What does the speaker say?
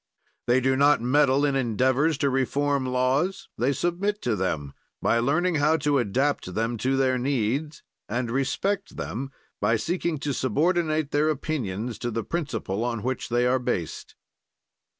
"They do not meddle in endeavors to reform laws; they submit to them, by learning how to adapt them to their needs, and respect them by seeking to subordinate their opinion to the principle on which they are based.